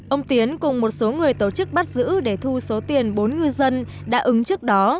ông tiến cùng một số người tổ chức bắt giữ để thu số tiền bốn ngư dân đã ứng trước đó